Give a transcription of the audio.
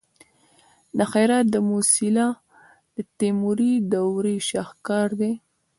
د هرات د موسیلا د تیموري دورې شاهکار دی